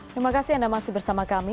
terima kasih anda masih bersama kami